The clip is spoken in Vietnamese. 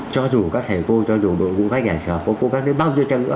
cho dù các thầy cô cho dù đội cô gái nhà sở cô cô các đứa bao nhiêu trang nữa